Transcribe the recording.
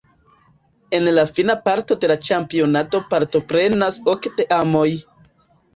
En la fina parto de la ĉampionado partoprenas ok teamoj.